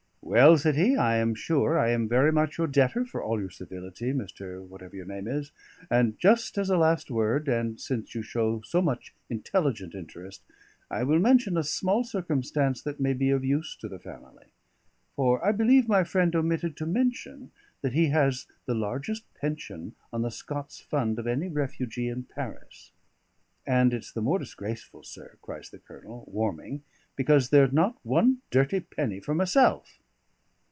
"Well," said he, "I am sure I am very much your debtor for all your civility, Mr. Whatever your name is; and just as a last word, and since you show so much intelligent interest, I will mention a small circumstance that may be of use to the family. For I believe my friend omitted to mention that he has the largest pension on the Scots Fund of any refugee in Paris; and it's the more disgraceful, sir," cries the Colonel, warming, "because there's not one dirty penny for myself."